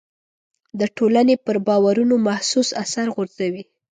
د ټولنې پر باورونو محسوس اثر غورځوي.